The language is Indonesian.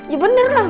ya bener lah